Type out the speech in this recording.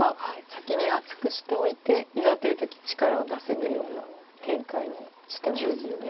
先に厚くしておいていざという時力を出せるような展開にしてますよね。